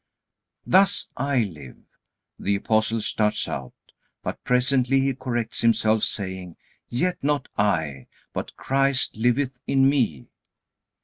"Thus I live," the Apostle starts out. But presently he corrects himself, saying, "Yet not I, but Christ liveth in me."